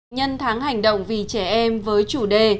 nhân tháng hành động vì trẻ em với chủ đề